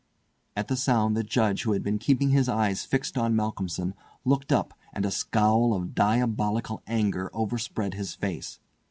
At the sound the Judge, who had been keeping his eyes fixed on Malcolmson, looked up, and a scowl of diabolical anger overspread his face.